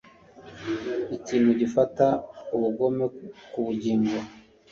Ikintu gifata ubugome ku bugingo